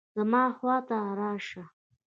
زما خوا ته راشه